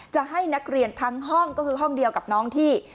จะให้นักเรียนทั้งห้องก็คือห้องเดียวกับน้องที่